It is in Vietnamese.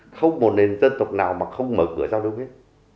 không một nền dân tộc nào mà không mở cửa giao lưu hết